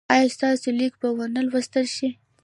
ایا ستاسو لیک به و نه لوستل شي؟